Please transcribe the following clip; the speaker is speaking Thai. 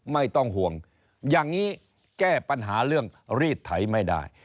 ไม่ต้องห่วงอย่างนี้แก้ปัญหาเรื่องรีดไถไม่ได้